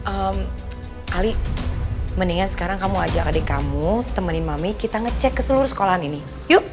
ehm ali mendingan sekarang kamu ajak adik kamu temenin mami kita ngecek ke seluruh sekolahan ini yuk